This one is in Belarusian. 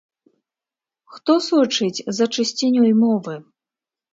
Хто сочыць за чысцінёй мовы?